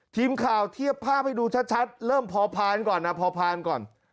ทีมข่าวเทียบภาพให้ดูชัดเริ่มพอพานก่อนนะพอพานก่อน